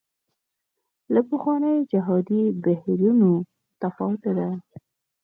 له پخوانیو جهادي بهیرونو متفاوته ده.